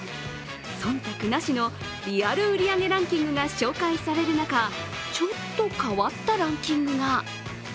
忖度なしのリアル売り上げランキングが紹介される中、ちょっと変わったランキングが。